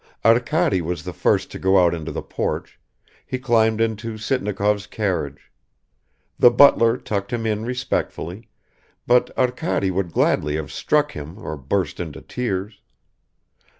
Arkady was the first to go out into the porch; he climbed into Sitnikov's carriage. The butler tucked him in respectfully, but Arkady would gladly have struck him or burst into tears.